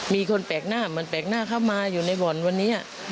มีคนแปลกหน้ามันแปลกหน้าเข้ามาอยู่ในบ่อนวันนี้